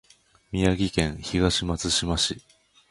宮城県東松島市